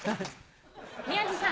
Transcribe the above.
宮治さん。